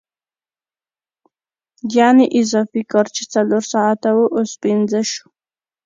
یانې اضافي کار چې څلور ساعته وو اوس پنځه شو